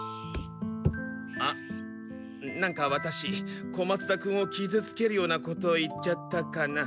あっなんかワタシ小松田君を傷つけるようなこと言っちゃったかな？